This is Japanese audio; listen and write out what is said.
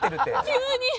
急に。